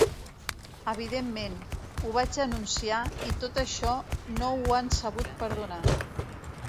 Evidentment, ho vaig denunciar i tot això no ho han sabut perdonar.